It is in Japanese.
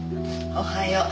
おはよう。